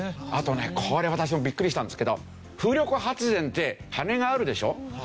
あとねこれ私もビックリしたんですけど風力発電って羽根があるでしょ？